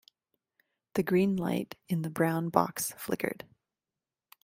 The green light in the brown box flickered.